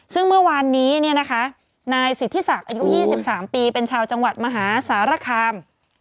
ซึ่งเมื่อวานนี้นายสิทธิศักดิ์อายุ๒๓ปีเป็นชาวจังหวัดมหาสารคาม